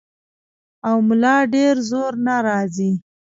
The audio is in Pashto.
او ملا ډېر زور نۀ راځي -